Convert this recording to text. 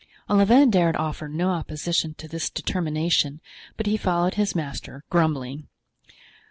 Olivain dared offer no opposition to this determination but he followed his master, grumbling.